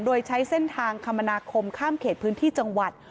โดยใช้เส้นทางคมนาคมข้ามเขตพื้นที่จังหวัด